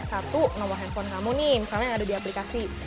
satu nomor handphone kamu nih misalnya yang ada di aplikasi